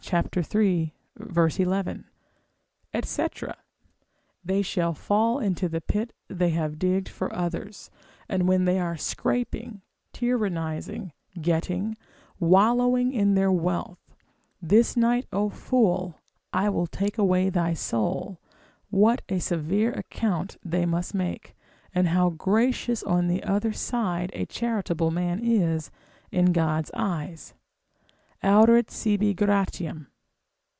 iii. 11, &c., they shall fall into the pit they have digged for others, and when they are scraping, tyrannising, getting, wallowing in their wealth, this night, O fool, I will take away thy soul, what a severe account they must make; and how gracious on the other side a charitable man is in God's eyes, haurit sibi gratiam.